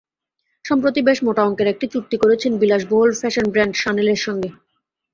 সম্প্রতি বেশ মোটা অঙ্কের একটি চুক্তি করেছেন বিলাসবহুল ফ্যাশন ব্র্যান্ড শানেলের সঙ্গে।